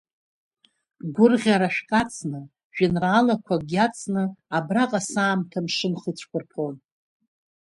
Гәырӷьарашәк ацны, жәеинраалақәакгьы ацны, абраҟа саамҭа мшынха ицәқәырԥон.